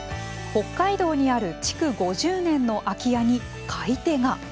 北海道にある築５０年の空き家に買い手が。